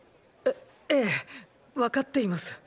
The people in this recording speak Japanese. えええわかっています。